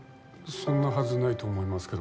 そんなはずないと思いますけど。